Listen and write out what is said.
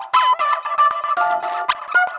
kau mau kemana